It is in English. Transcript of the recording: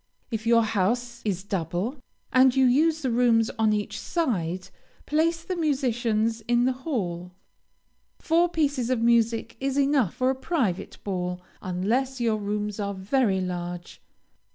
If your house is double, and you use the rooms on each side, place the musicians in the hall. Four pieces of music is enough for a private ball, unless your rooms are very large.